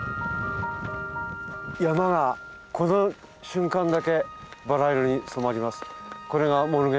山がこの瞬間だけバラ色に染まります。